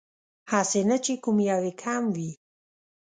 هسې نه چې کوم يې کم وي